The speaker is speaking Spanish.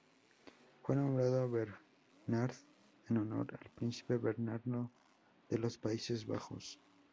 Fue nombrado Bernhard en honor al príncipe Bernardo de los Países Bajos.